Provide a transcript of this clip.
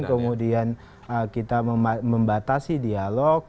kemudian kita membatasi dialog